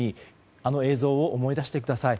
あの映像を思い出してください。